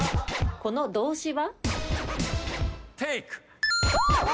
この動詞は？